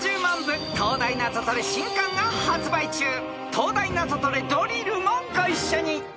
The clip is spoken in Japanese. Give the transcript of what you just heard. ［『東大ナゾトレドリル』もご一緒に］